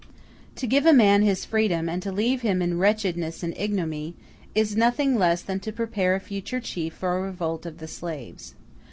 To give a man his freedom, and to leave him in wretchedness and ignominy, is nothing less than to prepare a future chief for a revolt of the slaves.